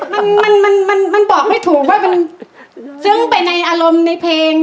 มันมันมันบอกไม่ถูกว่ามันซึ้งไปในอารมณ์ในเพลง